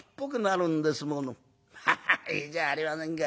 『ハハッいいじゃありませんか。